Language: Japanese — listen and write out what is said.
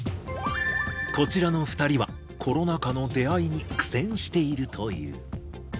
こちらの２人は、コロナ禍の出会いに苦戦しているという。